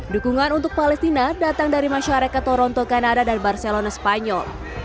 dukungan untuk palestina datang dari masyarakat toronto kanada dan barcelona spanyol